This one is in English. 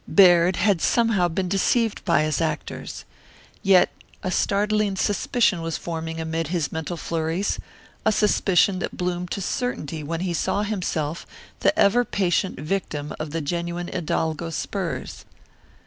Baird had somehow been deceived by his actors. Yet a startling suspicion was forming amid his mental flurries, a suspicion that bloomed to certainty when he saw himself the ever patient victim of the genuine hidalgo spurs.